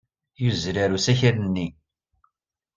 Yuzzel ɣer usakal-nni.